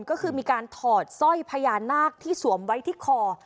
ก็คือมีการถอดสร้อยพญานาคที่สวมไว้ที่คอ